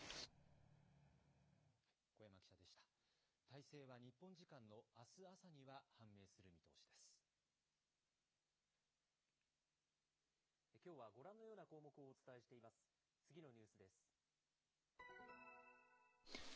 大勢は日本時間のあす朝には判明する見通しです。